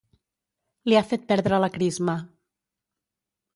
Li ha fet perdre la crisma.